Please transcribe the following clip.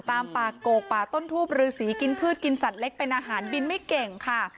ตามป่าโกกป่าต้นทูบรือสีกินพืชกินสัตว์เล็กเป็นอาหารบินไม่เก่งค่ะ